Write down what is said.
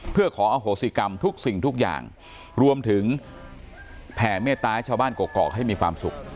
เพื่อขออโหสิกรรมทุกสิ่งทุกอย่างรวมถึงแผ่เมตตาให้ชาวบ้านกรกให้มีความสุข